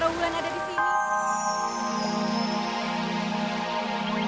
saya merasa merasa bersifat mesantik